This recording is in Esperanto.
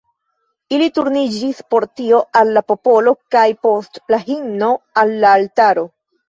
Ili turniĝis por tio al la popolo, kaj post la himno al la altaro.